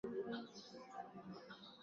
wengine wa misitu ya Amazon mvua inaweza